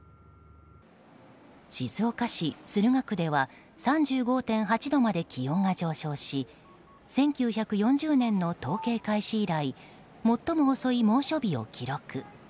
静岡市駿河区では３５．８度まで気温が上昇し１９４０年の統計開始以来最も遅い猛暑日を記録。